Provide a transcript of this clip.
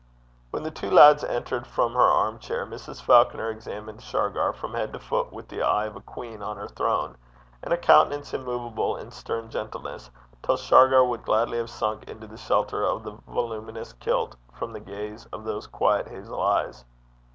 When the two lads entered, from her arm chair Mrs. Falconer examined Shargar from head to foot with the eye of a queen on her throne, and a countenance immovable in stern gentleness, till Shargar would gladly have sunk into the shelter of the voluminous kilt from the gaze of those quiet hazel eyes.